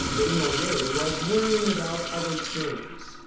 Desnoyers was worrying about other things.